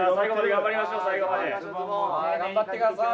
頑張ってください。